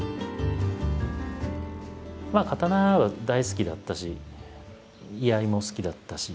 刀は大好きだったし居合も好きだったし。